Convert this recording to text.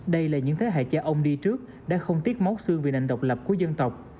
đây là những thế hệ cha ông đi trước đã không tiếc máu xương vì nền độc lập của dân tộc